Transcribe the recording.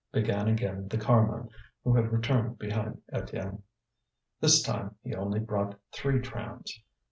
began again the carman, who had returned behind Étienne. This time he only brought three trams.